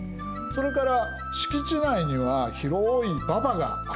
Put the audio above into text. それから敷地内には広い馬場があります。